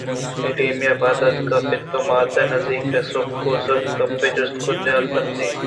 ایمیلیا پاد اتک پت ءُمات ءِ نزّیک ءَ سُک سُک ءَ گپےّ جست کُتءُچلءَ پُترت